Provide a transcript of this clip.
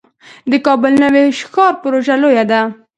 د کابل نوی ښار پروژه لویه ده